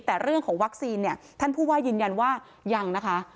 แต่เรื่องของวัคซีนเนี่ยท่านผู้ว่ายืนยันว่ายังนะคะ